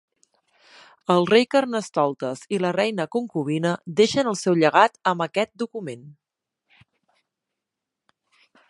El Rei Carnestoltes i la Reina Concubina deixen el seu llegat amb aquest document.